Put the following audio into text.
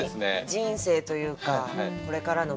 人生というかこれからの未来。